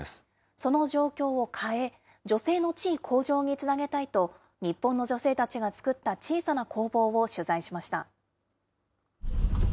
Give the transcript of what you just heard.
その状況を変え、女性の地位向上につなげたいと、日本の女性たちが作った小さな工房を取材しました。